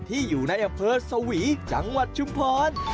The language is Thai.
ที่อยู่ในอำเพิร์ชเสาหวีจังหวัดชุมพร